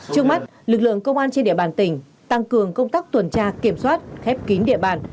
trước mắt lực lượng công an trên địa bàn tỉnh tăng cường công tác tuần tra kiểm soát khép kín địa bàn